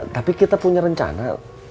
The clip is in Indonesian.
tapi kita punya rencana